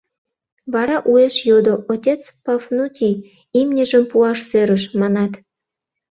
— Вара уэш йодо: — Отец Пафнутий имньыжым пуаш сӧрыш, манат?